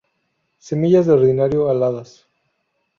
Semillas de ordinario aladas.